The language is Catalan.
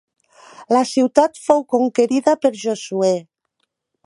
La ciutat fou conquerida per Josuè.